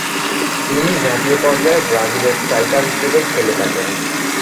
তিনি জাতীয় পর্যায়ে ব্রাজিলের স্ট্রাইকার হিসেবে খেলে থাকেন।